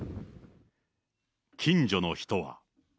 近所の人は。